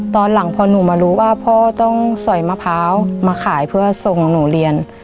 ตอนหลังพอหนูมารู้ว่าพ่อต้องสอยมะพร้าวมาขายเพื่อส่งของหนูเรียน